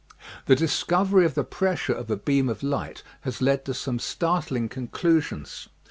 The discovery of the pressure of a beam of light has led to some startling conclusions.